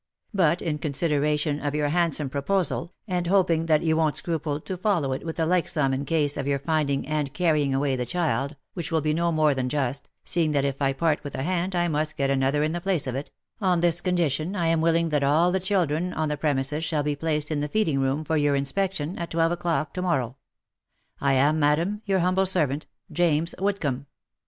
But in consideration of your handsome pro posal, and hoping that you won't scruple to follow it with a like sum in case of your finding and carrying away the child, which will be no more than just, seeing that if I part with a hand I must get another in the place of it, on this condition I am willing that all the children on the premises shall be placed in the feeding room for your inspection at twelve o'clock to morrow. " I am, Madam, " Your humble servant, " James Woodcomb."